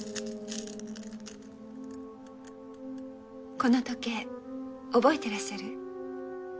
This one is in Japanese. この時計覚えてらっしゃる？